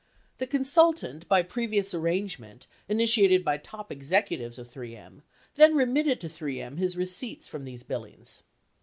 The consultant, by previous arrangement initiated by top executives of 3 M, then remitted to 3 M his receipts from these billings.